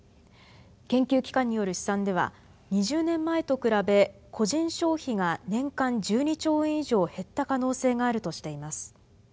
研究機関による試算では２０年前と比べ個人消費が年間１２兆円以上減った可能性があるとしています。